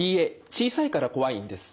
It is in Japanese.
小さいから怖いんです。